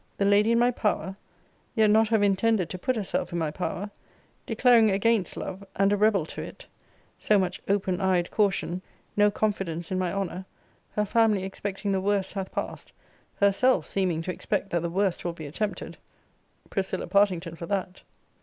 The lady in my power: yet not have intended to put herself in my power: declaring against love, and a rebel to it: so much open eyed caution: no confidence in my honour: her family expecting the worst hath passed: herself seeming to expect that the worst will be attempted: [Priscilla Partington for that!